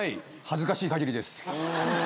恥ずかしいかぎりです。